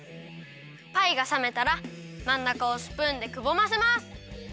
パイがさめたらまんなかをスプーンでくぼませます！